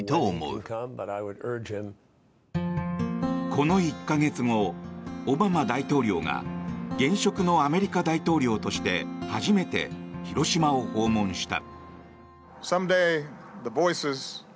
この１か月後、オバマ大統領が現職のアメリカ大統領として初めて広島を訪問した。